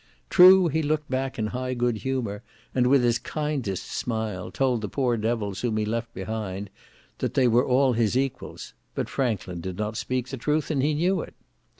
True, he looked back in high good humour, and with his kindest smile told the poor devils whom he left behind, that they were all his equals; but Franklin did not speak the truth, and he knew it.